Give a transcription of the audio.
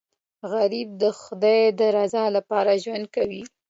غریب د خدای د رضا لپاره ژوند کوي